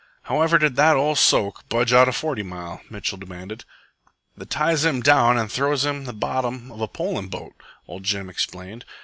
"However did that ol' soak budge out of Forty Mile?" Mitchell demanded. "The ties him down an' throws him in the bottom of a polin' boat," ol' Jim explained.